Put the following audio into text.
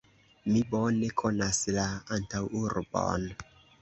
Mi bone konas la antaŭurbon.